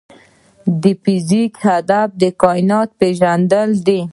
د فزیک هدف د کائنات پېژندل دي.